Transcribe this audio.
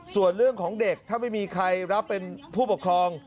ส่วนเรื่องของเด็กถ้าไม่มีใครรับเป็นผู้ปกครอง